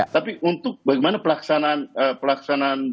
tapi untuk bagaimana pelaksanaan